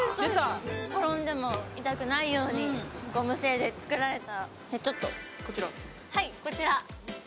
転んでも痛くないようにゴム製で作られた。